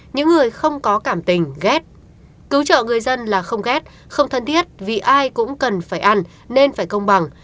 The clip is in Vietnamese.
những người không có cảm tình ghét cứu trợ người dân là không ghét không thân thiết vì ai cũng cần phải ăn nên phải công bằng